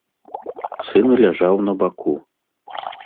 Сын ляжаў на баку.